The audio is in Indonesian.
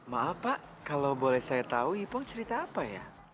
maaf pak kalau boleh saya tahu ipong cerita apa ya